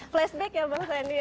flashback ya bang sandi